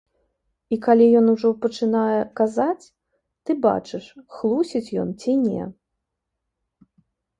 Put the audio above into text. І калі ён ужо пачынае казаць, ты бачыш, хлусіць ён ці не.